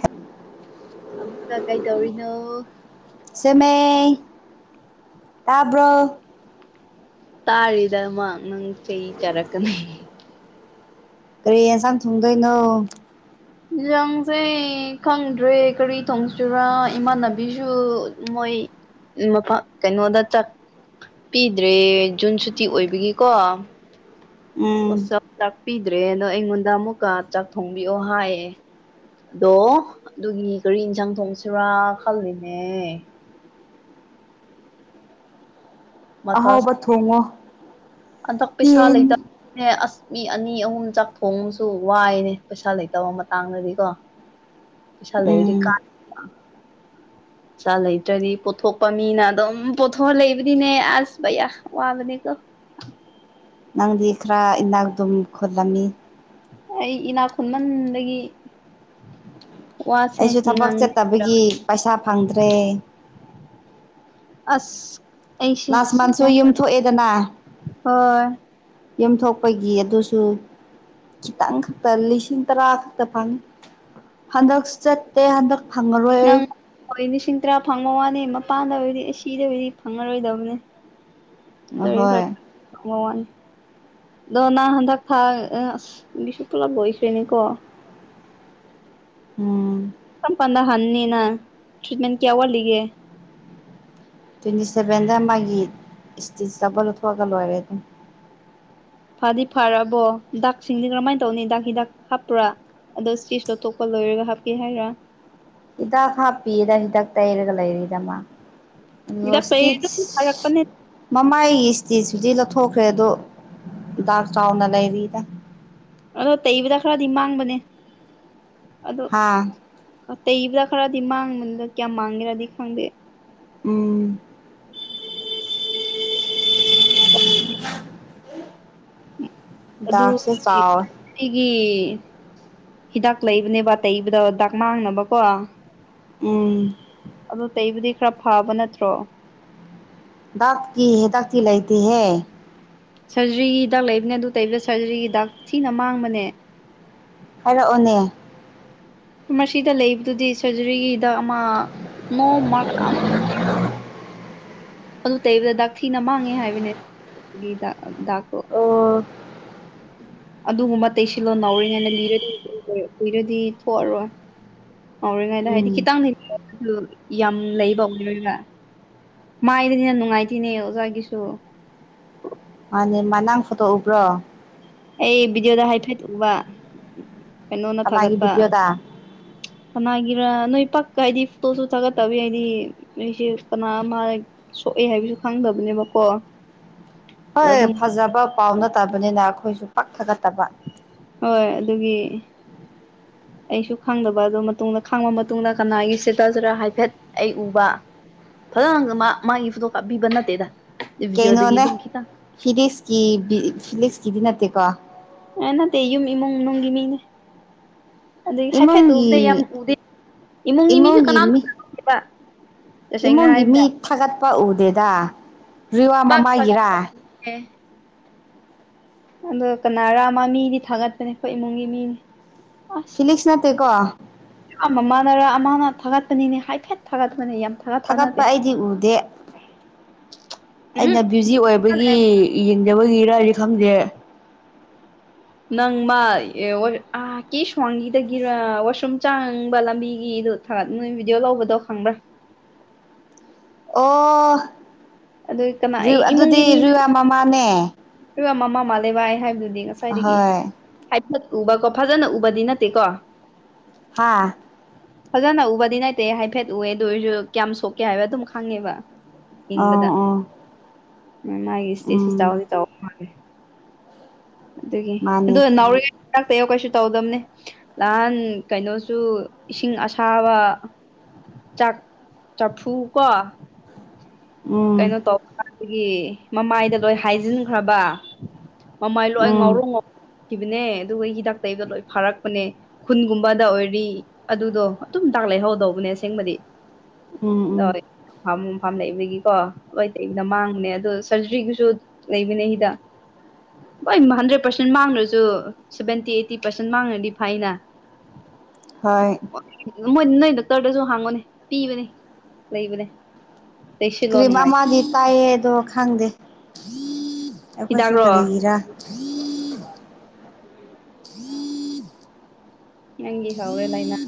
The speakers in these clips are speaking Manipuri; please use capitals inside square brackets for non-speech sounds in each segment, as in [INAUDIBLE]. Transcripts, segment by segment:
ꯍ [INAUDIBLE] ꯑꯃꯨꯀ ꯀꯩ ꯇꯧꯔꯤꯅꯣ ꯁꯦꯝꯃꯦ ꯇꯥꯕ꯭ꯔꯣ ꯇꯥꯔꯤꯗ ꯃꯥ ꯅꯪ ꯆꯩ ꯆꯥꯔꯛꯀꯅꯤ ꯀꯔꯤ ꯑꯦꯟꯁꯥꯡ ꯊꯣꯡꯗꯣꯏꯅꯣ ꯍꯤꯖꯡꯁꯦ ꯈꯪꯗ꯭ꯔꯦ ꯀꯔꯤ ꯊꯣꯡꯁꯤꯔ ꯏꯃꯥꯟꯅꯕꯤꯁꯨ ꯃꯣꯏ ꯃꯄ ꯀꯩꯅꯣꯗ ꯆꯥꯛ ꯄꯤꯗ꯭ꯔꯦ ꯖꯨꯟ ꯁꯨꯇꯤ ꯑꯣꯏꯕꯒꯤꯀꯣ ꯎꯝ ꯍꯣꯁꯇꯦꯜ ꯆꯥꯛ ꯄꯤꯗ꯭ꯔꯦꯅ ꯑꯩꯉꯣꯟꯗ ꯑꯃꯨꯛꯀ ꯆꯥꯛ ꯊꯣꯡꯕꯤꯑꯣ ꯍꯥꯏ ꯑꯗꯣ ꯑꯗꯨꯒꯤ ꯀꯔꯤ ꯏꯟꯁꯥꯡ ꯊꯣꯡꯁꯤꯔꯥ ꯈꯜꯂꯤꯅꯦ ꯑꯍꯥꯎꯕ ꯊꯣꯡꯉꯣ ꯑꯟꯗꯛ ꯄꯩꯁꯥ ꯂꯩꯇ ꯌꯦꯟ ꯅꯦ ꯑꯁ ꯃꯤ ꯑꯅꯤ ꯑꯍꯨꯝ ꯆꯥꯛ ꯊꯣꯡ ꯑꯃꯁꯁꯨ ꯋꯥꯏꯅꯦ ꯄꯩꯁꯥ ꯂꯩꯇꯕ ꯃꯇꯥꯡꯗꯗꯤꯀꯣ ꯄꯩꯁꯥ ꯂꯩꯔꯨꯗꯤ ꯎꯝ ꯀꯥ ꯄꯩꯁꯥ ꯂꯩꯇ꯭ꯔꯗꯤ ꯄꯣꯠꯊꯣꯛꯄ ꯃꯤꯅ ꯑꯗꯨꯝ ꯄꯣꯊꯣꯛꯑ ꯂꯩꯕꯗꯤꯅꯦ ꯑꯁ ꯕꯌꯥ ꯋꯥꯕꯅꯦꯀꯣ ꯅꯪꯗꯤ ꯈꯔ ꯏꯅꯥꯛ ꯑꯗꯨꯝ ꯈꯨꯜꯂꯝꯃꯤ ꯑꯩ ꯏꯅꯥꯛ ꯈꯨꯟꯃꯟꯗꯒꯤ ꯑꯩꯁꯨ ꯊꯕꯛ ꯆꯠꯇꯕꯒꯤ ꯄꯩꯁꯥ ꯐꯪꯗ꯭ꯔꯦ ꯑꯁ ꯑꯩꯁꯦ ꯂꯥꯁ ꯑꯁ ꯃꯟꯁꯨ ꯒ꯭ꯌꯥꯟ ꯌꯨꯝ ꯇꯥꯗꯦ ꯊꯣꯛꯑꯦꯗꯅ ꯍꯣꯏ ꯌꯨꯝꯊꯣꯛꯄꯒꯤ ꯑꯗꯨꯁꯨ ꯈꯤꯇꯪ ꯈꯛꯇ ꯂꯤꯁꯤꯡ ꯇꯔꯥ ꯈꯛꯇ ꯐꯪꯉꯤ ꯍꯟꯗꯛ ꯆꯠꯇꯦ ꯍꯟꯗꯛ ꯐꯪꯉꯔꯣꯏ ꯅꯪ ꯍꯣꯏ ꯂꯤꯁꯤꯡ ꯇꯔꯥ ꯐꯪꯕ ꯋꯥꯅꯤ ꯃꯄꯥꯟꯗ ꯑꯣꯏꯕꯗꯤ ꯑꯁꯤꯗ ꯑꯣꯏꯕꯗꯤ ꯐꯪꯉꯔꯣꯏꯗꯕꯅꯤ ꯁꯦꯕꯤꯡ ꯑꯍꯣꯏ ꯈꯔꯥ [UNINTELLIGIBLE] ꯋꯥꯅꯤ ꯗꯣ ꯅꯪ ꯍꯟꯗꯛ ꯐꯥ ꯑꯁ ꯄꯨꯂꯞ ꯂꯣꯏꯈꯔ꯭ꯦꯅꯤꯀꯣ ꯎꯝ ꯆꯄꯥꯟꯗ ꯍꯟꯅꯅꯤꯅ ꯇ꯭ꯔꯤꯠꯃꯦꯟ ꯀꯌꯥ ꯋꯥꯔꯂꯤꯒꯦ ꯇ꯭ꯋꯦꯟꯇꯤ ꯁꯚꯦꯟꯗ ꯃꯥꯒꯤ ꯏꯁꯇꯤꯆ ꯇꯕ ꯂꯧꯊꯣꯛꯑꯒ ꯂꯣꯏꯔꯦ ꯑꯗꯨꯝ ꯐꯗꯤ ꯐꯥꯔꯕꯣ ꯗꯥꯛꯁꯤꯡꯗꯤ ꯀꯔꯝꯃꯥꯏꯅ ꯇꯧꯅꯤ ꯗꯥꯛ ꯍꯤꯗꯥꯛ ꯍꯥꯞꯄ꯭ꯔꯥ ꯑꯗꯣ ꯆꯦꯖꯇꯣꯊꯣꯛꯄ ꯂꯣꯏꯔꯒ ꯍꯥꯞꯀꯦ ꯍꯥꯏꯔꯥ ꯍꯤꯗꯥꯛ ꯍꯥꯞꯄꯤꯗ ꯍꯤꯗꯥꯛ ꯇꯩꯔꯒ ꯂꯩꯔꯤꯗ ꯃꯥ ꯑ ꯍꯤꯗꯥꯛ ꯇꯩ ꯏꯁꯇ ꯐꯔꯛꯄꯅꯦ ꯃꯃꯥꯏ ꯏꯁꯇꯤꯖꯗꯤ ꯂ ꯊꯣꯛꯈ꯭ꯔꯦ ꯑꯗꯣ ꯍꯤꯗꯥꯛ ꯆꯥꯎꯅ ꯂꯩꯔꯤꯗ ꯑꯗꯣ ꯇꯩꯕꯗ ꯈꯔꯗꯤ ꯃꯥꯡꯕꯅꯦ ꯍꯥ ꯑꯗ ꯏꯕꯗ ꯈꯔꯗꯤ ꯃꯥꯡꯕꯗ ꯀꯌꯥꯝ ꯃꯥꯡꯒꯦꯔꯥꯗꯤ ꯈꯪꯗꯦ ꯎꯝ ꯎꯝ ꯎꯝ ꯗꯥꯛꯁꯦ ꯑꯗꯨꯒꯤ ꯆꯥꯎꯋꯦ ꯑꯦ ꯍꯤꯗꯥꯛ ꯂꯩꯕꯅꯦꯕ ꯇꯩꯕꯗ ꯗꯥꯛ ꯃꯥꯡꯅꯕꯀꯣ ꯎꯝ ꯑꯗꯨ ꯇꯩꯕꯨꯗꯤ ꯈꯔ ꯐꯕ ꯅꯠꯇ꯭ꯔꯣ ꯗꯔꯇꯀꯤ ꯍ ꯗꯀꯤ ꯂꯩꯇ ꯍ ꯁꯔꯖꯔꯤꯒꯤ ꯍꯤꯗꯥꯛ ꯂꯩꯕꯅꯦ ꯑꯗꯨ ꯇꯩꯕ ꯁꯔꯖꯔꯤꯒꯤ ꯍꯤꯗꯥꯛ ꯊꯤꯅ ꯃꯥꯡꯕꯅꯦ ꯍꯥꯏꯔꯛꯑꯣꯅꯦ ꯃꯁꯤꯗ ꯂꯩꯕꯗꯨꯗꯤ ꯁꯔꯖꯔꯤꯒꯤꯗ ꯑꯃ ꯅꯣꯔ ꯑꯗꯨ ꯇꯩꯕꯗ ꯗꯥꯛ ꯊꯤꯅ ꯃꯥꯡꯉꯦ ꯍꯥꯏꯕꯅꯦ ꯗꯥꯛꯇꯣ ꯑꯣ ꯑꯗꯨꯒꯨꯝꯕ ꯇꯩꯁꯤꯜꯂꯣ ꯉꯧꯔꯤꯉꯥꯏꯗ ꯂꯤꯔꯗꯤ ꯂꯤꯔꯗꯤ ꯊꯣꯛꯑꯔꯣꯏ ꯉꯧꯔꯤꯉꯩꯗ ꯍꯥꯏꯗꯤ ꯎꯝ ꯈꯤꯇꯪꯗꯤ ꯌꯥꯝ ꯂꯩꯕ ꯑꯣꯏꯔꯣꯏꯕ ꯃꯥꯏꯗꯅꯤꯅ ꯅꯨꯡꯉꯥꯏꯇꯅꯦ ꯑꯣꯖꯥꯒꯤꯁꯨ ꯃꯥꯅꯤ ꯃꯅꯥ ꯐꯨꯇꯣꯛꯎꯕ꯭ꯔꯣ ꯑꯩ ꯚꯗꯤꯑꯣꯗ ꯍꯥꯏꯐꯦꯠꯇꯣꯛꯕ ꯑꯅꯥꯒꯤ ꯕꯤꯗꯤꯌꯗ ꯀꯅꯥꯒꯤꯔꯥ ꯅꯣꯏ ꯄꯛꯀ ꯍꯥꯏꯗꯤ ꯐꯣꯇꯣꯁꯨ ꯊꯥꯒꯠꯇꯕ ꯍꯥꯏꯗꯤ ꯅꯣꯏꯁꯦ ꯀꯅꯥ ꯑꯃ ꯁꯣꯛꯑꯦ ꯍꯥꯏꯕꯁꯨ ꯈꯪꯗꯕꯅꯦꯕꯀꯣ ꯍꯣꯏ ꯑꯗꯨꯝ ꯐꯖꯕ ꯄꯥꯎꯅ ꯇꯥꯕꯅꯤꯅ ꯑꯩꯈꯣꯏꯁꯨ ꯄꯥꯛꯊꯒꯠꯇꯕ ꯍꯣꯏ ꯑꯗꯨꯒꯤ ꯑꯩꯁꯨ ꯈꯪꯗꯕ ꯑꯗꯨꯗ ꯃꯇꯨꯡꯗ ꯈꯪꯕ ꯃꯇꯨꯡꯗ ꯀꯅꯥꯒꯤ ꯆꯦꯇ꯭ꯔꯥ ꯆꯔ ꯍꯥꯏꯐꯦꯠ ꯑꯩ ꯎꯕ ꯐꯖꯅ ꯃꯥꯒꯤ ꯐꯣꯇꯣ ꯀꯥꯞꯄꯤꯕ ꯅꯠꯇꯦꯗ ꯚꯤꯗꯤꯑꯣꯗꯒꯤ ꯀꯩꯅꯣꯅꯦ ꯑꯗꯨꯝ ꯈꯤꯇꯪ ꯐꯤꯗꯤꯛꯁꯀꯤ ꯐꯤꯂꯤꯛꯁꯀꯤꯗꯤ ꯅꯠꯇꯦꯀꯣ ꯑ ꯅꯠꯇꯦ ꯌꯨꯝ ꯏꯃꯨꯡ ꯃꯅꯨꯡꯅꯨꯡꯒꯤ ꯃꯤꯅꯦ ꯑꯩ ꯍꯥꯏꯐꯦꯠꯇꯨ ꯎꯕꯗ ꯌꯥꯝ ꯏꯃꯨꯡꯒꯤ ꯎꯗꯦ ꯏꯃꯨꯡꯒꯤ ꯃꯤꯁꯨ ꯀꯅꯥꯝꯇꯦꯕ ꯇꯁꯦꯡꯅ ꯍꯥꯏꯕꯗ ꯗꯕꯦꯗꯥ ꯔꯤꯋꯥꯝ ꯄꯥꯛ ꯑꯃꯃꯥꯏꯒꯤꯔꯥ ꯊꯥꯒꯠꯇꯕꯅꯦ ꯑꯗꯣ ꯀꯅꯥꯔ ꯃꯥ ꯃꯤꯗꯤ ꯊꯥꯒꯠꯄꯅꯦ ꯑꯩꯈꯣꯏ ꯏꯃꯨꯡꯒꯤ ꯃꯤꯅꯤ ꯑꯁ ꯐꯤꯂꯤꯛꯁ ꯅꯠꯇꯦ ꯀꯣ ꯃꯥꯅ ꯊꯥꯒꯠꯄꯅꯤꯅꯦ ꯍꯥꯏꯐꯦꯠ ꯊꯥꯒꯠꯄꯅꯦ ꯌꯥꯝ ꯊꯥꯒꯠꯄ ꯑꯩꯗꯤ ꯎꯗꯦ ꯎꯝ ꯑꯩꯅ ꯕꯤꯖꯤ ꯑꯣꯏꯕꯒꯤ ꯌꯦꯡꯗꯕꯒꯤꯔ ꯊꯝꯗꯦ ꯅꯪ ꯃꯥꯥ ꯀꯦ ꯁ꯭ꯋꯥꯡꯒꯤꯗꯒꯤꯔ ꯋꯥꯁꯔꯨꯝ ꯆꯥꯡꯕ ꯂꯝꯕꯤꯒꯤꯗ ꯊꯥꯒꯠ ꯅꯣꯏ ꯚꯤꯗꯤꯑꯣ ꯂꯧꯕꯗꯣ ꯈꯪꯕ꯭ꯔꯥ ꯑꯗꯨ ꯀꯅꯥ ꯑꯣ ꯑꯩ ꯑꯗꯨꯗꯤ ꯔꯨꯌꯥ ꯃꯃꯥꯅꯦ ꯃ ꯃꯥ ꯂꯩ ꯑꯩ ꯍꯥꯏ ꯉꯁꯥꯏꯗꯒꯤ ꯑꯍꯣꯏ ꯍꯥꯏ ꯎꯕꯀꯣ ꯐꯖꯅ ꯎꯕꯗꯤ ꯅꯠꯇꯦꯀꯣ ꯍꯥꯥ ꯐꯖꯅ ꯎꯕꯗꯤ ꯅꯥꯏꯇꯦ ꯍꯥꯏꯐꯦꯠ ꯎꯑꯦ ꯑꯗꯨ ꯑꯣꯏꯔꯁꯨ ꯀꯌꯥꯝ ꯁꯣꯛꯀꯦ ꯍꯥꯏꯕ ꯑꯗꯨꯝ ꯈꯪꯉꯦꯕ ꯑꯥ ꯑꯥ ꯎ ꯃꯥꯒꯤ ꯏꯁꯇꯦꯠꯁꯤ ꯆꯥꯎꯗꯤ ꯇ ꯐꯦ ꯑꯗꯨꯒꯤ ꯃꯥꯅꯦ ꯑꯣ ꯅꯥꯎꯔꯤꯣ ꯀꯩꯁꯨ ꯇꯧꯗꯝꯅꯦ ꯅꯍꯥꯟ ꯀꯩꯅꯣꯁꯨ ꯏꯁꯤꯡ ꯑꯁꯥꯕ ꯆꯥꯛ ꯆꯥꯛꯐꯨ ꯀ ꯎꯝ ꯀꯩꯅꯣ ꯇꯧꯒꯤ ꯃꯃꯥꯏꯗ ꯂꯣꯏ ꯍꯥꯏꯖꯤꯟꯈ꯭ꯔꯕ ꯀꯃꯥꯏ ꯂꯣ ꯑꯩ ꯉꯥꯎꯔꯣ ꯎꯝ ꯉꯥꯎ ꯈꯤꯕꯅꯦ ꯑꯗꯨꯒ ꯍꯤꯗꯥꯛ ꯇꯩꯕꯗꯣ ꯂꯣꯏ ꯐꯥꯔꯛꯄꯅꯦ ꯈꯨꯟꯒꯨꯝꯕꯗ ꯑꯣꯏꯔꯤ ꯑꯗꯨꯗꯣ ꯑꯗꯨꯝ ꯇꯥꯛ ꯂꯩꯍꯧꯗꯧꯕꯅꯦ ꯑꯁꯦꯡꯕꯗꯤ ꯎꯝ ꯅ ꯎꯝ ꯐꯝ ꯐꯝꯅꯕ ꯀꯣ ꯑꯗꯨ ꯑꯇꯩꯅ ꯃꯥꯡꯕꯅꯦ ꯑꯗꯣ ꯁꯔꯖꯔꯤꯒꯤꯁꯨ ꯂꯩꯕꯅꯦ ꯍꯤꯗꯥꯛ ꯍꯣꯏ ꯍꯟꯗ꯭ꯔꯦꯠ ꯄꯥꯔꯁꯦꯟ ꯃꯥꯡꯗ꯭ꯔꯁꯨ ꯁꯦꯚꯦꯟꯇꯤ ꯑꯩꯠꯇꯤ ꯄꯥꯔꯁꯦꯟ ꯃꯥꯡꯈ꯭ꯔꯗꯤ ꯐꯥꯏꯅ ꯍꯣꯏ ꯃꯅ ꯇꯔꯗꯁꯨ ꯍꯥꯡꯉꯅꯦ ꯄꯤꯕꯅꯦ ꯂꯩꯕꯅꯦ ꯇꯩꯁꯤꯜꯂꯣ ꯀ꯭ꯔꯤꯝ ꯅꯨꯡꯉꯥꯏ ꯑꯃꯗꯤ ꯇꯥꯏꯌꯦꯗꯣ ꯈꯪꯗꯦ ꯎ ꯑꯩꯈꯣꯏꯁꯨ ꯍꯤꯗꯥꯛꯔꯣ ꯀꯔꯤꯒꯤꯔꯥ ꯊ ꯅꯪꯤ ꯍꯧꯥꯎꯔꯦꯂꯥꯏꯅ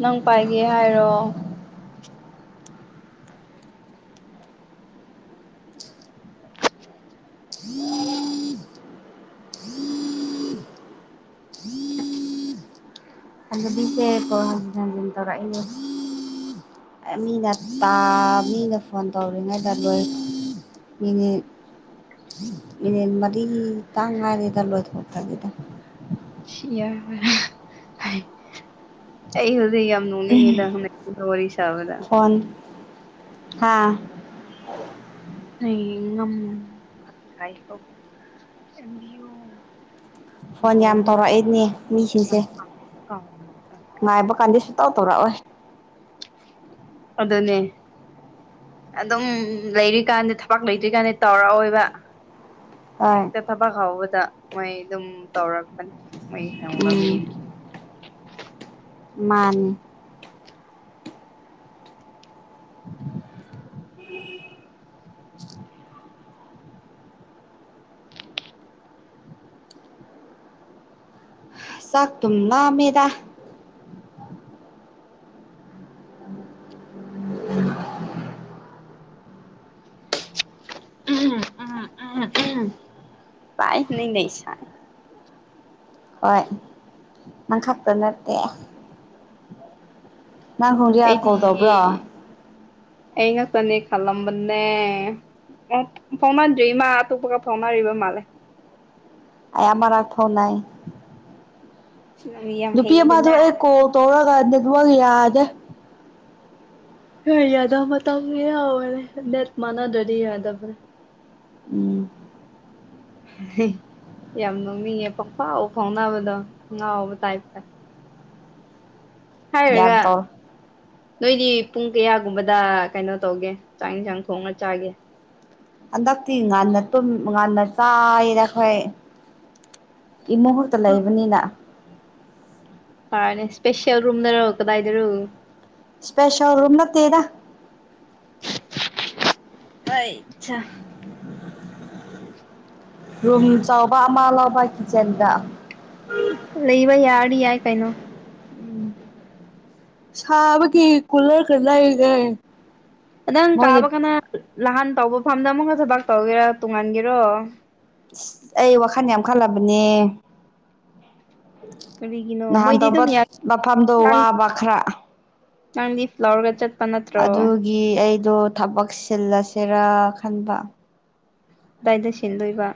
ꯅꯪ ꯄꯥꯏꯒꯦ ꯍꯥꯏꯔꯣ ꯃꯤꯁꯦ ꯀꯣ ꯍꯟꯖꯤꯟ ꯍꯟꯖꯤꯟ ꯇꯧꯔꯛꯏꯅꯦ ꯃꯤꯅ ꯇꯥꯕ ꯃꯤꯅ ꯐꯣꯟ ꯇꯧꯔꯤꯉꯩꯗ ꯂꯣꯏ ꯃꯤꯅꯤꯠ ꯃꯤꯅꯤꯠ ꯃꯔꯤꯇꯪ ꯉꯥꯏꯔꯦꯗ ꯂꯣꯏꯊꯣꯔꯇꯕꯤꯦꯗ ꯌꯥ ꯑꯩ ꯍꯧꯖꯤ ꯌꯥꯝ ꯅꯤ ꯑꯦ ꯍ ꯋꯥꯔꯤ ꯆꯕꯗ ꯍꯥꯥ ꯉꯝ ꯐꯣꯟ ꯌꯥꯝ ꯕꯣꯜꯅ ꯇꯧꯔꯛꯏꯅꯦ ꯃꯤꯁꯤꯡꯁꯦ ꯀꯥꯎꯅ ꯉꯥꯏꯕ ꯄꯠꯀꯥꯏꯀꯣ ꯀꯥꯟꯗ ꯁꯨꯇꯧ ꯇꯧꯔꯛꯑꯣꯏ ꯑꯗꯨꯅꯦ ꯑꯗꯨꯝ ꯂꯩꯔꯤꯀꯥꯟꯗꯤ ꯊꯕꯛ ꯂꯩꯇ꯭ꯔꯤꯀꯥꯟꯗ ꯇꯧꯔꯛꯑꯣꯏꯕ ꯍꯣꯏ ꯑꯦꯛꯇ ꯊꯕ ꯈꯥꯎꯕ ꯗ ꯃꯣꯏ ꯑꯗꯨꯝ ꯇꯧꯔꯛꯄꯅꯦ ꯃ ꯍ ꯃꯥꯅꯦ ꯆꯥꯛ ꯇ ꯂ ꯃꯦꯗꯥ ꯎꯝ ꯎꯝ ꯎꯝ ꯎꯝ ꯄꯥꯏ ꯅ ꯂꯩꯁꯥꯏ ꯍꯣꯏ ꯅꯪꯈꯥꯛꯇ ꯅꯠꯇꯦ ꯅꯪ ꯈꯣꯡꯗꯤꯌꯥ ꯑꯩꯗꯤ ꯀꯣꯜ ꯇꯧꯕ꯭ꯔꯣ ꯑꯩ ꯉꯥꯛꯇꯅꯦ ꯈꯜꯂꯝꯕꯅꯦ ꯐꯥꯎꯅꯗ꯭ꯔꯤ ꯏꯃꯥ ꯑꯇꯣꯞꯄꯒ ꯐꯥꯎꯅꯔꯤꯕ ꯃꯥꯜꯂꯦ ꯑꯩ ꯑꯃꯔ ꯑꯊ ꯅꯥꯏ ꯅꯪ ꯌꯥꯝ ꯂꯨꯄꯤ ꯃꯥꯗꯨ ꯍꯩꯗꯅ ꯑꯩ ꯀꯣ ꯇꯣꯔ ꯑꯗꯨ ꯋꯥꯒ ꯌꯥꯗ ꯍ ꯌꯥꯗ ꯃ ꯃꯇꯝꯅꯦ ꯅ ꯃꯥꯅ ꯗꯔꯤ ꯌꯥ ꯌꯥꯗ ꯎꯝ ꯌꯥꯝ ꯅꯣꯛꯅꯤꯡꯉꯦ ꯄꯪꯐꯥꯎ ꯐꯥꯎꯅꯕꯗꯣ ꯉꯥꯎꯕ ꯇꯥꯏꯞꯇ ꯍꯥꯏꯔꯒ ꯌꯥꯝ ꯇꯧꯔꯦ ꯅꯣꯏꯗꯤ ꯄꯨꯡ ꯀꯌꯥꯒꯨꯝꯕꯗ ꯀꯩꯅꯣ ꯇꯧꯒꯦ ꯆꯥꯛ ꯌꯦꯟꯁꯥꯡ ꯊꯣꯡꯉ ꯆꯥꯒꯦ ꯍꯟꯗꯛꯇꯤ ꯉꯟꯅ ꯉꯥꯟꯟꯅ ꯆꯥꯏꯅ ꯑꯩꯈꯣꯏ ꯏꯃꯨꯍꯨꯠꯇ ꯂꯩꯕꯅꯤꯅ ꯍꯅꯦ ꯁꯄꯦꯁꯜ ꯔꯨꯝ ꯅꯔ ꯀꯗꯥ ꯏꯗꯔ ꯁꯄꯦꯁꯜ ꯔꯨꯝꯝ ꯅꯠꯇꯔ ꯑ ꯔꯨꯝ ꯆꯥꯎꯕ ꯑꯃ ꯂꯧꯕ ꯀꯤꯠꯆꯟꯗ ꯂꯩꯕ ꯌꯥꯔ ꯌꯥꯏ ꯀꯩꯅꯣ ꯁꯥꯕꯒꯤ ꯀꯨꯂꯔ ꯀꯥ ꯂꯩꯔꯦ ꯑꯗꯪ ꯃꯣꯏꯅ ꯀꯥꯕꯀꯅ ꯅꯍꯥꯟ ꯇꯧꯕ ꯃꯥꯐꯝꯗ ꯑꯃꯨꯛꯀ ꯊꯕꯥꯛ ꯇꯧꯒꯦꯔꯥ ꯇꯣꯡꯍꯥꯟꯒꯦꯔꯣ ꯑꯩ ꯋꯥꯈꯟ ꯌꯥꯝ ꯈꯜꯂꯕꯅꯦ ꯀꯔꯤꯒꯤꯅꯣ ꯅꯍꯥꯟ ꯃꯣꯏꯗꯤ ꯇꯧꯕ ꯑꯗꯨꯝ ꯌꯥꯏ ꯃꯐꯝꯗꯣ ꯅꯪ ꯋꯥꯕ ꯈꯔ ꯅꯪ ꯂꯤꯐ ꯂꯧꯔꯒ ꯆꯠꯄ ꯅꯠꯇ꯭ꯔꯣ ꯑꯗꯨꯒꯤ ꯑꯩ ꯑꯗꯣ ꯊꯕꯛ ꯁꯤꯜꯂꯁꯤꯔꯥ ꯈꯟꯕ ꯀꯗꯥꯏꯗ ꯁꯤꯟꯗꯣꯏꯕ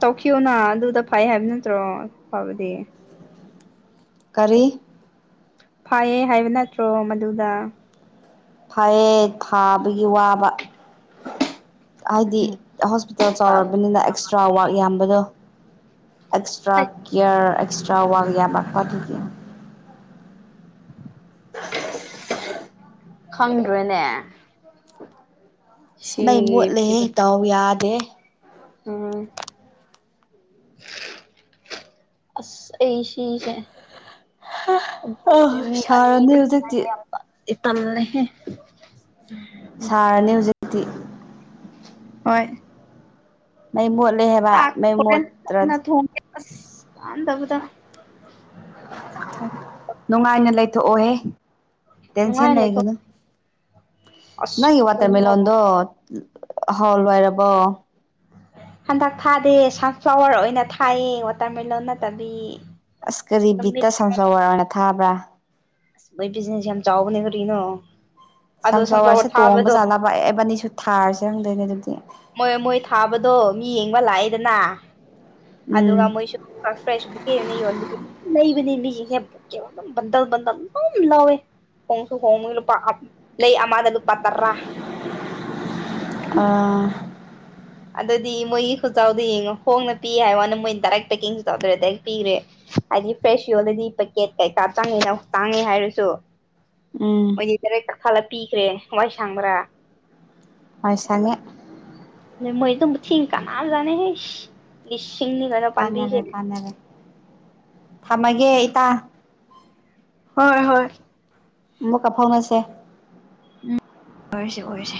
ꯇꯨꯈꯣꯅ ꯑꯗꯨꯗ ꯐꯩ ꯍꯥꯏꯕ ꯅꯠꯇ꯭ꯔꯣ ꯐꯕꯗꯤ ꯀꯔꯤ ꯐꯥꯌꯦ ꯍꯥꯏꯕ ꯅꯠꯇ꯭ꯔꯣ ꯃꯗꯨꯗ ꯐꯌꯦ ꯐꯥꯕꯒꯤ ꯋꯥꯕ ꯍꯥꯏꯗꯤ ꯎꯝ ꯍꯣꯁꯄꯤꯇꯥꯜ ꯐꯕ ꯆꯥꯎꯔꯕꯅꯤꯅ ꯑꯦꯛꯁꯇ꯭ꯔꯥ ꯋꯔꯛ ꯌꯥꯝꯕꯗꯣ ꯑꯦꯛꯁꯇ꯭ꯔꯥ ꯀꯦꯌꯔ ꯑꯦꯛꯁꯇ꯭ꯔꯥ ꯋꯥꯔꯛ ꯌꯥꯃꯛꯄ ꯗꯨꯒꯤ ꯈꯪꯗ꯭ꯔꯦꯅꯦ ꯏꯁ ꯃꯩ ꯁꯤꯒꯤ ꯃꯣꯠꯂꯦꯍꯦ ꯐꯤꯕ ꯗꯥꯎ ꯌꯥꯗꯦ ꯇꯦ [UNINTELLIGIBLE] ꯎꯝ ꯑꯁ ꯑꯩꯁꯤꯁꯦ ꯍꯥ ꯑ ꯁꯔꯥꯅꯤ ꯍꯧꯖꯤꯛ ꯇꯤ ꯏ ꯇꯜꯂꯦꯍꯦ ꯁꯥꯔꯅꯦ ꯍꯣꯖꯤꯛ ꯇꯤ [UNINTELLIGIBLE] ꯍꯣꯏ ꯃꯩ ꯃꯨꯜ ꯂꯩꯍꯩꯕ ꯆꯥꯛ ꯃꯩ ꯃꯣꯠ ꯍꯣꯔꯦꯟ ꯀꯟꯅ ꯇ꯭ꯔꯗꯤ ꯊꯣꯡꯒꯦ ꯑꯁ ꯀꯥꯟꯗꯕꯗ ꯆꯥꯛ ꯊꯣꯡ ꯅꯨꯡꯉꯥꯏꯅ ꯂꯩꯊꯣꯛꯑꯣꯍꯦ ꯅꯨꯡꯉꯥꯏ ꯂꯩꯊꯣꯛ ꯇꯦꯟꯁꯟꯂꯩꯒꯅꯨ ꯅꯪꯒꯤ ꯑꯁ ꯋꯥꯇꯔ ꯃꯦꯂꯣꯟꯗꯣ ꯍꯥꯎ ꯂꯣꯏꯔꯕꯣ ꯍꯟꯗꯛ ꯊꯥꯗꯦ ꯁꯟꯐ꯭ꯂꯥꯋꯔ ꯑꯣꯏꯅ ꯊꯥꯏꯌꯦ ꯋꯥꯇꯔꯃꯦꯂꯣꯟ ꯅꯠꯇꯕꯤ ꯑꯁ ꯀꯔꯤ ꯅꯨꯃꯤꯠ ꯕꯤꯠꯇ ꯁꯥꯎꯁꯥꯎ ꯂꯥꯎꯅ ꯊꯥꯕ꯭ꯔꯥ ꯃꯣꯏ ꯕꯤꯖꯤꯅꯦꯁ ꯌꯥꯝ ꯆꯥꯎꯕꯅꯦ ꯒꯔꯤꯅꯣ ꯁꯟꯐ꯭ꯂꯥꯋꯔꯁꯦ ꯇꯣꯡꯕ ꯖꯥꯠꯂꯕ ꯑꯦꯕꯅꯤꯁꯨ ꯊꯥꯔꯤꯁꯦ ꯔꯪꯗꯩꯅꯦ ꯑꯗꯨꯝ ꯆ [INAUDIBLE] ꯏꯗꯅꯥ [UNINTELLIGIBLE] ꯎꯝ ꯑꯗꯨꯒ ꯃꯣꯏꯁꯨ ꯀꯥꯔ ꯐ꯭ꯔꯦꯁ ꯕꯨꯀꯦ ꯑꯣꯏꯅ ꯌꯣꯟꯕꯗ ꯃꯩ ꯑꯈꯣꯏꯗꯤ ꯃꯤꯒꯤ ꯍꯦꯝ ꯀꯦꯌꯧ ꯕꯟꯗꯧ ꯕꯟꯗꯝ ꯑꯗꯨꯝ ꯂꯧꯋꯦ ꯍꯣꯡꯁꯨ ꯍꯣꯡꯕ ꯂꯨꯄꯥ ꯑꯝ ꯂꯩ ꯑꯃꯗ ꯂꯨꯄꯥ ꯇꯔꯥ [UNINTELLIGIBLE] ꯑ ꯑꯗꯨꯗꯤ ꯃꯣꯏꯒꯤ ꯈꯨꯆꯥꯎꯗ ꯌꯦꯡꯉꯣ ꯍꯣꯡꯅ ꯄꯤꯌꯦ ꯍꯥꯏ ꯋꯥꯅꯦ ꯃꯣꯏ ꯗꯥꯏꯔꯦꯛ ꯄꯦꯛꯀꯤꯡꯁꯨ ꯇꯧꯗꯔꯦ ꯗꯥꯏꯛ ꯄꯤꯔꯦ ꯍꯥꯏꯗꯤ ꯐ꯭ꯔꯦꯁꯤꯑꯣꯗꯗꯤ ꯄꯦꯀꯦꯠ ꯀꯩꯀꯥ ꯇꯥꯡꯉꯦꯅ ꯇꯥꯡꯉꯦ ꯍꯥꯏꯔꯁꯨ ꯎꯝ ꯃꯣꯏꯗꯤ ꯇꯔꯦ ꯀ ꯊꯥꯂ ꯄꯤꯈ꯭ꯔꯦ ꯍꯋꯥꯏ ꯁꯥꯡꯕ꯭ꯔꯥ ꯍꯣꯏ ꯁꯪꯉꯦ ꯃꯣꯏ ꯇꯨꯝ ꯊꯤ ꯀ ꯅꯥꯅꯦꯖ [UNINTELLIGIBLE] ꯁꯤꯡꯅꯤ ꯒꯅ ꯄꯥꯟꯕꯤꯁꯦ ꯀꯥꯟꯅꯔꯦ ꯀꯥꯟꯅꯔꯦ ꯊꯝꯃꯒꯦ ꯏꯇꯥ ꯍꯣꯏ ꯍꯣꯏ ꯑꯃꯨꯛꯀ ꯐꯥꯎꯅꯁꯦ ꯎꯝ ꯑꯣꯏꯔꯁꯦ ꯑꯣꯏꯔꯁꯦ